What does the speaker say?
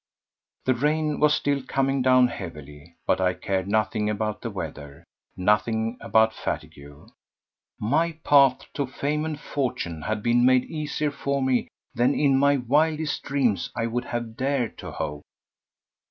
The rain was still coming down heavily, but I cared nothing about the weather, nothing about fatigue. My path to fame and fortune had been made easier for me than in my wildest dreams I would have dared to hope.